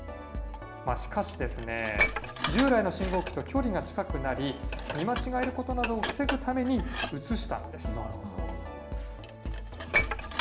しかし、従来の信号機と距離が近くなり、見間違えることなどを防ぐために移したんです。